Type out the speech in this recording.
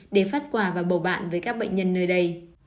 để phát quà và bầu bạn với các bệnh nhân nơi đây